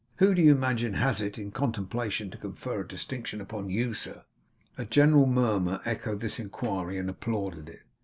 Who do you imagine has it in contemplation to confer a distinction upon YOU, sir?' A general murmur echoed this inquiry, and applauded it.